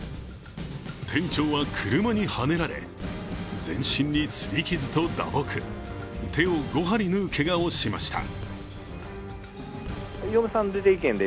店長は車にはねられ、全身にすり傷と打撲、手を５針縫うけがをしました。